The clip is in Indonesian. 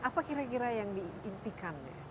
apa kira kira yang diimpikan